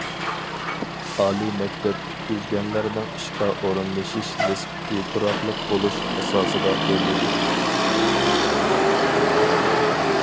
ئالىي مەكتەپ پۈتكۈزگەنلەرنىڭ ئىشقا ئورۇنلىشىش نىسبىتى تۇراقلىق بولۇش ئاساسىدا ئۆرلىدى.